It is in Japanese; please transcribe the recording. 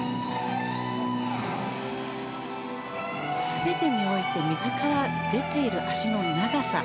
全てにおいて水から出ている脚の長さ。